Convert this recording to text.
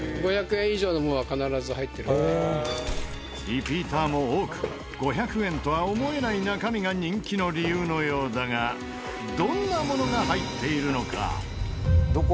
リピーターも多く５００円とは思えない中身が人気の理由のようだがどんなものが入っているのか？